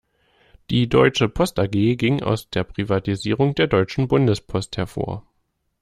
Die deutsche Post A-G ging aus der Privatisierung der deutschen Bundespost hervor.